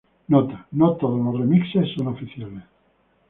Nota: No todos los remixes son oficiales.